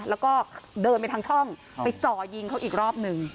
แล้วก็เดินไปทางช่องไปจ่อยิงเขาอีกรอบหนึ่ง